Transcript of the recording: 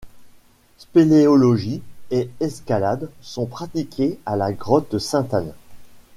Spéléologie et escalade sont pratiqués à la grotte Sainte-Anne.